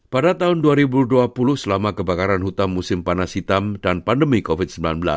pada tahun dua ribu dua puluh selama kebakaran hutang musim panas hitam dan pandemi covid sembilan belas